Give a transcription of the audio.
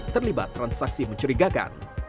terlibat transaksi mencurigakan